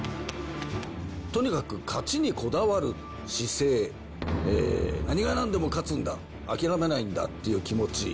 とにかく勝ちにこだわる姿勢、何がなんでも勝つんだ、諦めないんだという気持ち。